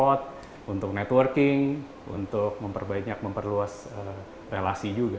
untuk melting pot untuk networking untuk memperbanyak memperluas relasi juga gitu